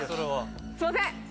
すんません。